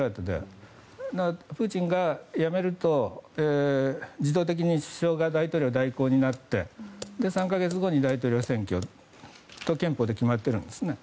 プーチンが辞めると自動的に首相が大統領代行になって３か月後に大統領選挙と憲法で決まっているんです。